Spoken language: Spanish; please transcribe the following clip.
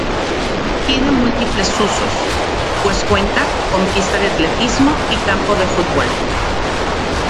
Tiene múltiples usos, pues cuenta con pista de atletismo y campo de fútbol.